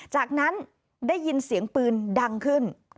จากนั้นได้ยินเสียงปืนดังขึ้น